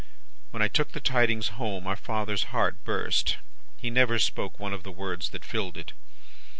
When I took the tidings home, our father's heart burst; he never spoke one of the words that filled it.